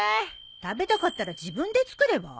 食べたかったら自分で作れば？